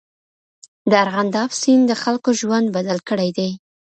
د ارغنداب سیند د خلکو ژوند بدل کړی دی.